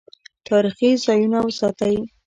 تاریخي ځایونه وساتئ